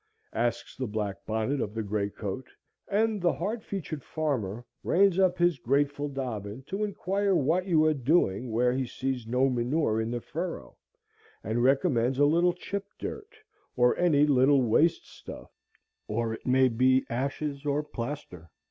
asks the black bonnet of the gray coat; and the hard featured farmer reins up his grateful dobbin to inquire what you are doing where he sees no manure in the furrow, and recommends a little chip dirt, or any little waste stuff, or it may be ashes or plaster.